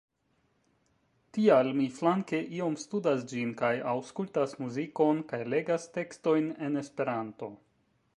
Tial mi flanke iom studas ĝin kaj aŭskultas muzikon kaj legas tekstojn en Esperanto.